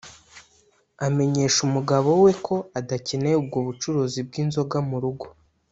amenyesha umugabo we ko adakeneye ubwo bucuruzi bw’inzoga mu rugo ;